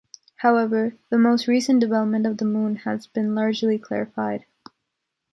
However, the more recent development of the moon has been largely clarified.